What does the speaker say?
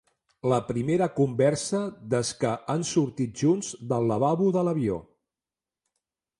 La primera conversa des que han sortit junts del lavabo de l'avió.